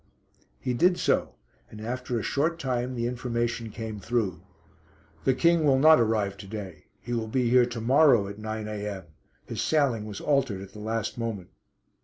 He did so, and after a short time the information came through. "The King will not arrive to day; he will be here to morrow at 9 a.m. His sailing was altered at the last moment."